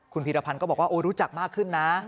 คุณพีรพันธ์ก็บอกว่าโอ้รู้จักมากขึ้นนะ